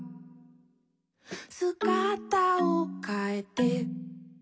「すがたをかえて」